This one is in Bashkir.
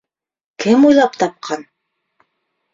— Кем уйлап тапҡан?